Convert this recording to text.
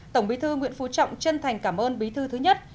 một mươi năm tổng bí thư nguyễn phú trọng chân thành cảm ơn bí thư thứ nhất